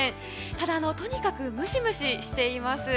ただ、とにかくムシムシしています。